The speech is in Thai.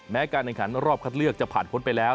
การแข่งขันรอบคัดเลือกจะผ่านพ้นไปแล้ว